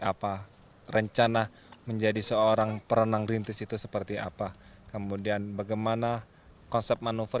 apa rencana menjadi seorang perenang rintis itu seperti apa kemudian bagaimana konsep manuver